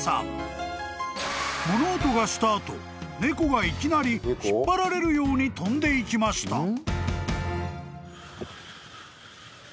［「物音がした後猫がいきなり引っ張られるように跳んでいきました」］